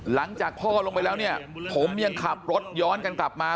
หลังจากพ่อลงไปแล้วเนี่ยผมยังขับรถย้อนกันกลับมา